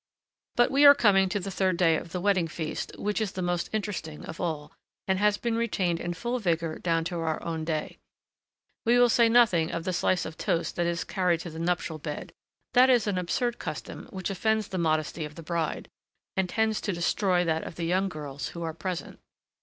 But we are coming to the third day of the wedding feast, which is the most interesting of all, and has been retained in full vigor down to our own day. We will say nothing of the slice of toast that is carried to the nuptial bed; that is an absurd custom which offends the modesty of the bride, and tends to destroy that of the young girls who are present.